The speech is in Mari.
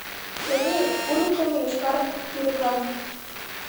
Тений ургыктымо йошкар кӱрыклан